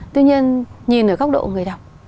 tuy nhiên nhìn ở góc độ người đọc